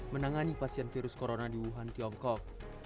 menangani pasien virus corona di wuhan tiongkok